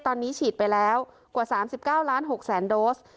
ตอนนี้ฉีดไปแล้วกว่าสามสิบเก้าร้านหกแสนโดส